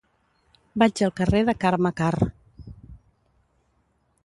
Vaig al carrer de Carme Karr.